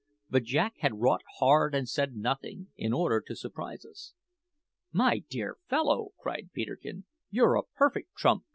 But Jack had wrought hard and said nothing, in order to surprise us. "My dear fellow," cried Peterkin, "you're a perfect trump!